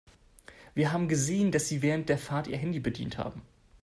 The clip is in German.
Wir haben gesehen, dass Sie während der Fahrt Ihr Handy bedient haben.